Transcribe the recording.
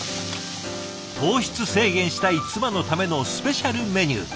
糖質制限したい妻のためのスペシャルメニュー。